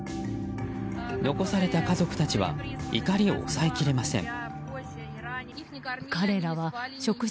残された家族たちは怒りを抑えきれません。